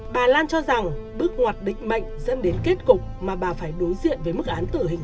bà lan cho rằng bước ngoặt định mạnh dẫn đến kết cục mà bà phải đối diện với mức án tử hình